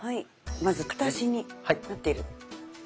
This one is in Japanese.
まず片足になっている。